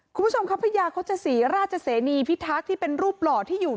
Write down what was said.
คุณผู้ชมครับพญาโฆษศรีราชเสนีพิทักษ์ที่เป็นรูปหล่อที่อยู่